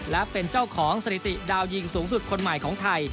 และเป็นเจ้าของสถิติดาวยิงสูงสุดคนใหม่ของไทย